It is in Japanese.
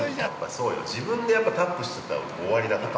◆そうよ、自分でタップしたら終わりだからさ。